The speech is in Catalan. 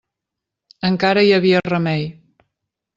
Encara hi havia remei.